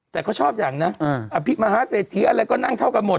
แต่เขาชอบอย่างนะอภิมหาเศรษฐีอะไรก็นั่งเท่ากันหมด